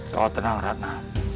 kau tenang ratna